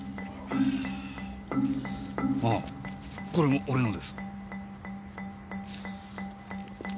ああこれも俺のです。